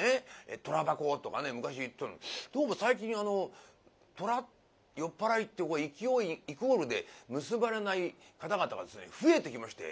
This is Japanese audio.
「虎箱」とかね昔言ってたのにどうも最近あの虎酔っ払いってイコールで結ばれない方々がですね増えてきまして。